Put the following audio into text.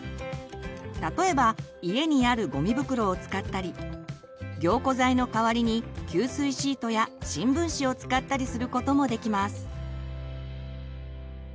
例えば家にあるゴミ袋を使ったり凝固剤の代わりに吸水シートや新聞紙を使ったりすることもできます。